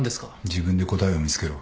自分で答えを見つけろ。